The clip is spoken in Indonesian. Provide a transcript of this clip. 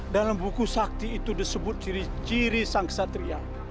dalam buku sakti itu disebut ciri ciri sang kesatria